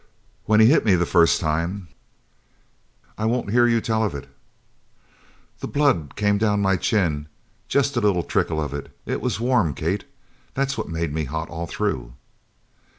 "When he hit me the first time " "I won't hear you tell of it!" "The blood come down my chin jest a little trickle of it. It was warm, Kate. That was what made me hot all through."